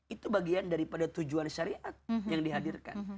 itu bagian daripada tujuan syariat yang dihadirkan